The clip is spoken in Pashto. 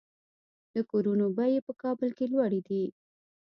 د کورونو بیې په کابل کې لوړې دي